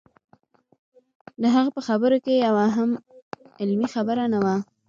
د هغه په خبرو کې یوه هم علمي خبره نه وه.